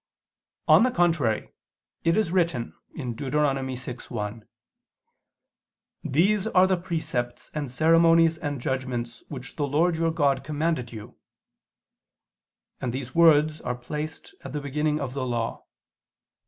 On the contrary, It is written (Deut. 6:1): "These are the precepts and ceremonies and judgments which the Lord your God commanded ... you." And these words are placed at the beginning of the Law.